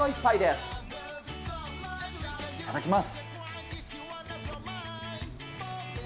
いただきます。